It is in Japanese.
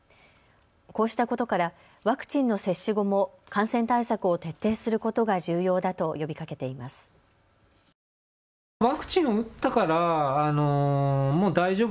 こうしたことからワクチンの接種後も感染対策を徹底することが重要だと呼びかけています。